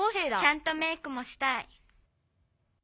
「ちゃんとメークもしたい」。